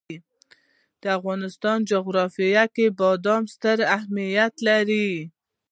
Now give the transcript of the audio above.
د افغانستان جغرافیه کې بادام ستر اهمیت لري.